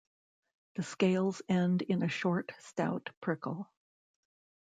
The scales end in a short stout prickle.